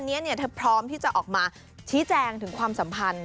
อันนี้เธอพร้อมที่จะออกมาชี้แจงถึงความสัมพันธ์